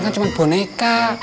ini kan cuma boneka